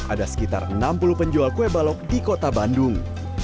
ada sekitar enam puluh penjual kue balok di kota bandung